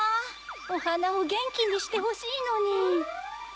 おはなをゲンキにしてほしいのに。